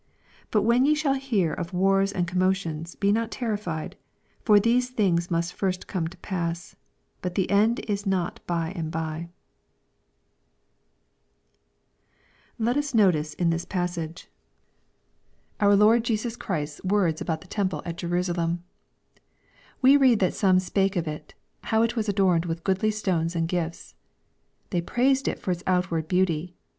9 But when ye shall hear of wars and commotions, be not terrified : for these tilings must first come to paas \ Let us notice ia this passage, our Lord Jesua Chri8i*$ 856 EXPOSITORY THOUGHTS words about the temple at Jerusalem, We read that some spake of it, " how it was adorned with goodly stones and gifts." They praised it for its outward beauty.